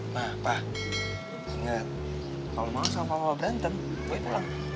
papa ingat kalau mau sama papa berantem gue pulang